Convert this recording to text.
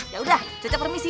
yaudah cece permisi ya